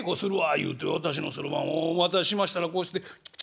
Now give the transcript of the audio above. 言うて私のそろばんお渡ししましたらこうして」。